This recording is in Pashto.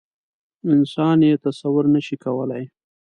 انسان یې تصویر نه شي کولی.